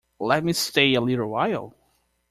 Let me stay a little while!